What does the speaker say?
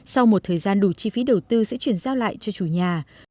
sau một thời gian đủ chi phí đầu tư sẽ chuyển giao lại cho chủ nhà